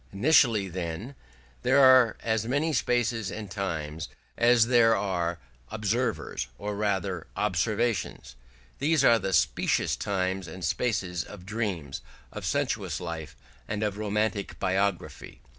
Initially, then, there are as many spaces and times as there are observers, or rather observations; these are the specious times and spaces of dreams, of sensuous life, and of romantic biography.